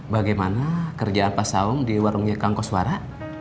bagaimana kerjaan mas aung di warungnya kang koswara